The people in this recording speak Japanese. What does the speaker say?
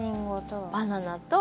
バナナと。